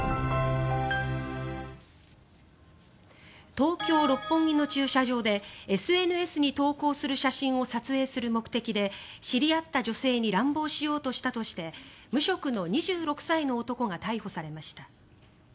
東京・六本木の駐車場でＳＮＳに投稿する写真を撮影する目的で知り合った女性に乱暴しようとしたとして無職の２６歳の男が逮捕されました。